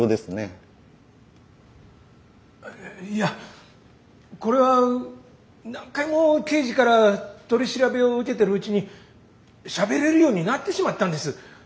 いやこれは何回も刑事から取り調べを受けてるうちにしゃべれるようになってしまったんです。